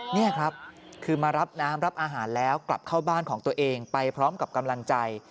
นี่ครับคือมารับน้ำรับอาหารแล้วกลับเข้าบ้านของตัวเองไปพร้อมกับกำลังใจ